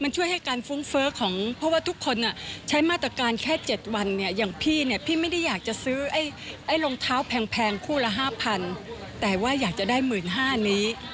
จริงถ้าเกิดว่าเราไม่อยากใช้เงิน